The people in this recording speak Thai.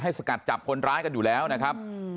สกัดจับคนร้ายกันอยู่แล้วนะครับ